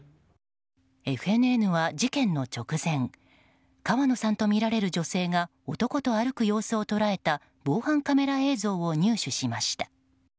ＦＮＮは事件の直前川野さんとみられる女性が男と歩く様子を捉えた防犯カメラ映像を入手しました。